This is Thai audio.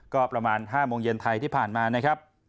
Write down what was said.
ก็ประมาณ๕โมงเย็นไทยที่ผ่านมานะครับ